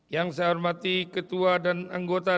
yang saya hormati ketua dan anggota